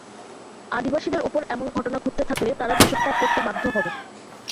আদিবাসীদের ওপর এমন ঘটনা ঘটতে থাকলে তারা দেশত্যাগ করতে বাধ্য হবে।